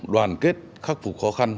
đoàn kết khắc phục khó khăn